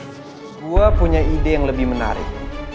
semua punya ide yang lebih menarik